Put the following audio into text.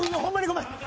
ごめん。